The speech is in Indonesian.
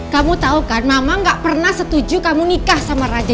kamu tahu kan mama gak pernah setuju kamu nikah sama raja